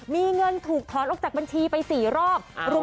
มีเงินถูกท้อนออกจากบัญชีไปสี่รอบเอ้า